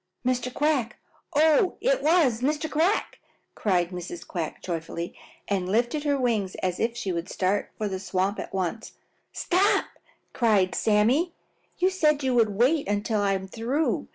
"Mr. Quack! Oh, it was Mr. Quack!" cried Mrs. Quack joyfully and lifted her wings as if she would start for the swamp at once. "Stop!" cried Sammy sharply. "You said you would wait until I am through.